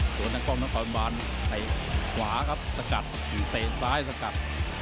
ส่วนทางกล้องทางความบ้านให้ขวาครับสกัดหรือเตะซ้ายสกัด